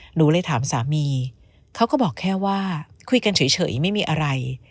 หนูเลยถามสามีเขาก็บอกแค่ว่าคุยกันเฉยไม่มีอะไร